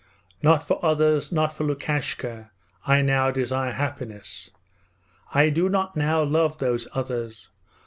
Not for others, not for Lukashka, I now desire happiness. I do not now love those others.